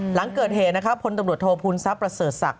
หลังเกิดเหตุนะครับพลตำรวจโทษภูมิทรัพย์ประเสริฐศักดิ